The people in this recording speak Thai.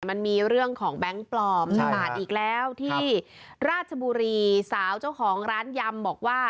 มันมีเรื่องของแบงค์ปลอมตลาดอีกแล้วที่ราชบุรีสาวเจ้าของร้านยำบอกว่า